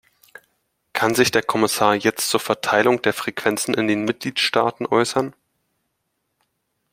Kann sich der Kommissar jetzt zur Verteilung der Frequenzen in den Mitgliedstaaten äußern?